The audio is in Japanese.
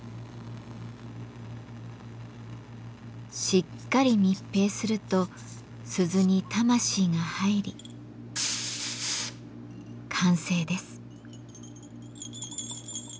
しっかり密閉すると鈴に魂が入り完成です。